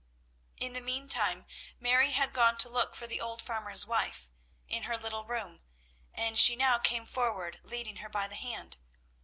In the meantime Mary had gone to look for the old farmer's wife in her little room, and she now came forward leading her by the hand.